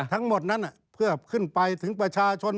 ทั้งหมดนั้นเพื่อขึ้นไปถึงประชาชน